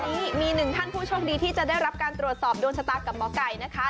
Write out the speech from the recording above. วันนี้มีหนึ่งท่านผู้โชคดีที่จะได้รับการตรวจสอบดวงชะตากับหมอไก่นะคะ